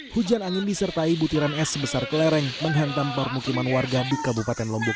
hujan angin disertai butiran es sebesar kelereng menghantam permukiman warga di kabupaten lombok